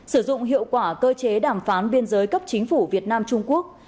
sử dụng hiệu quả cơ chế đàm phán biên giới cấp chính phủ việt nam trung quốc